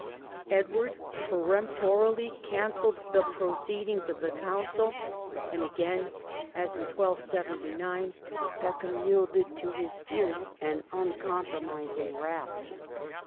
Edward peremptorily cancelled the proceedings of the council, and again, as in 1279, Peckham yielded to his fierce and uncompromising wrath.